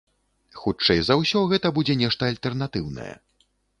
Хутчэй за ўсё, гэта будзе нешта альтэрнатыўнае.